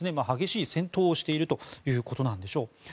激しい戦闘をしているということなんでしょう。